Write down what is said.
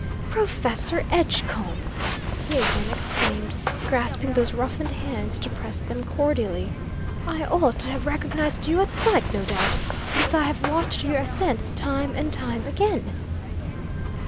"Professor Edgecombe!" he again exclaimed, grasping those roughened hands to press them cordially. "I ought to have recognised you at sight, no doubt, since I have watched your ascents time and time again."